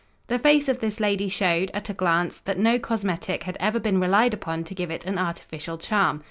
The face of this lady showed, at a glance, that no cosmetic had ever been relied upon to give it an artificial charm.